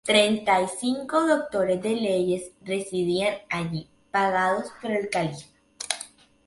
Treinta y cinco doctores de Leyes residían allí, pagados por el califa.